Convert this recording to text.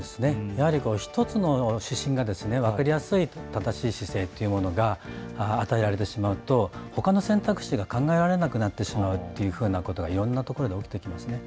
やはり１つの指針が分かりやすい正しい姿勢というものが与えられてしまうと、ほかの選択肢が考えられなくなってしまうというふうなことがいろんな所で起きていますね。